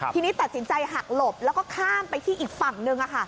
ทีนี้ตัดสินใจหักหลบแล้วก็ข้ามไปที่อีกฝั่งหนึ่ง